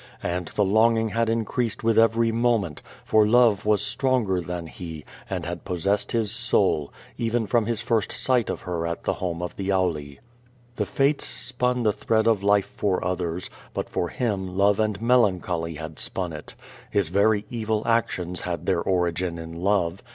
And thc longing had increased with every moment, for love was stronger than he, and had possessed his soul, even from his first sight of her at the honrc of the Auli. 252 Q^'O VADI8. The Fates spun the thread of life for others, but for him love and melancholy had spun it. His ver}^ evil actions had their origin in love.